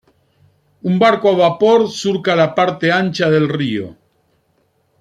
Un barco a vapor surca la parte ancha del río.